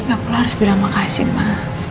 aku harus bilang makasih ma